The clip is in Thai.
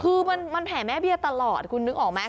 คือมันแผ่แม่เบี้ยตลอดคุณนึกออกไหม